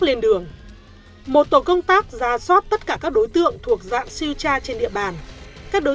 lên đường một tổ công tác ra soát tất cả các đối tượng thuộc dạng siêu tra trên địa bàn các đối